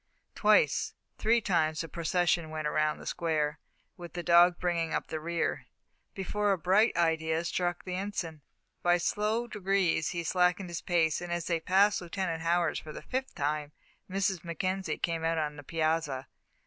Twice, three times the procession went round the square, with the dog bringing up the rear, before a bright idea struck the Ensign. By slow degrees he slackened his pace, and as they passed Lieutenant Howard's for the fifth time, Mrs. Mackenzie came out on the piazza.